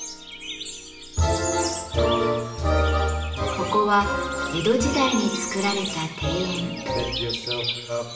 ここは江戸時代に造られた庭園。